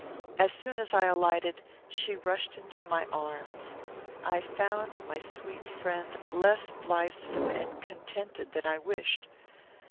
As soon as I alighted, she rushed into my arms. I found my sweet friend less blithesome and contented than I wished.